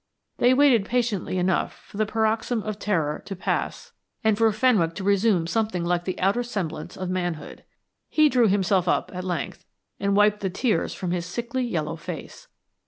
They waited patiently enough for the paroxysm of terror to pass and for Fenwick to resume something like the outer semblance of manhood. He drew himself up at length, and wiped the tears from his sickly yellow face.